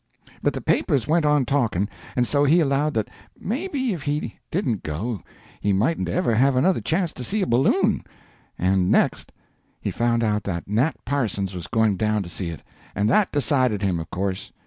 But the papers went on talking, and so he allowed that maybe if he didn't go he mightn't ever have another chance to see a balloon; and next, he found out that Nat Parsons was going down to see it, and that decided him, of course.